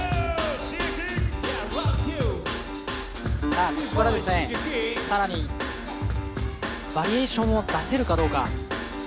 さあ、ここからですね、更にバリエーションを出せるかどうか。